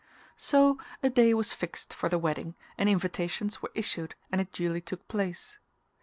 So a day was fixed for the wedding and invitations were issued and it duly took place.